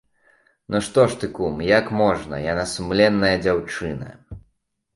Ну, што ж ты, кум, як можна, яна сумленная дзяўчына.